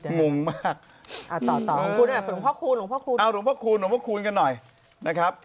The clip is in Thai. หลุงพระคูณ